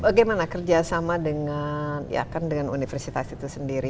bagaimana kerjasama dengan ya kan dengan universitas itu sendiri